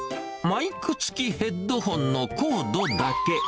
マイク付きヘッドホンのコードだけ。